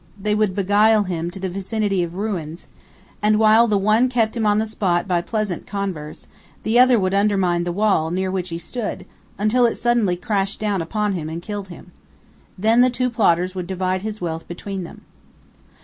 They would beguile him to the vicinity of ruins, and while the one kept him on the spot by pleasant converse, the other would undermine the wall near which he stood, until it suddenly crashed down upon him and killed him. Then the two plotters would divide his wealth between them.